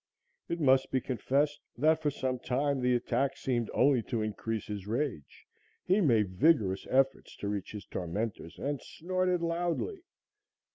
It must be confessed that for some time the attack seemed only to increase his rage, he made vigorous efforts to reach his tormentors and snorted loudly.